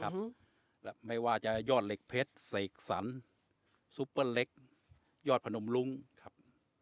และไม่ว่าจะยอดเหล็กเพชรเสกสรรซุปเปอร์เล็กยอดพนมรุ้งครับ